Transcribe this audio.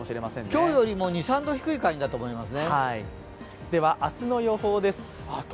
今日よりも２３度低い感じだと思います。